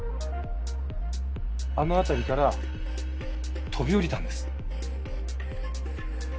あの辺りから飛び降りたんです。